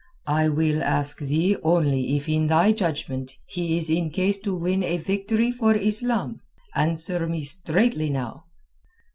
"I will ask thee only if in thy judgment he is in case to win a victory for Islam? Answer me straightly now."